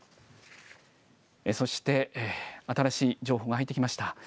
そして、新しい情報が入ってきました。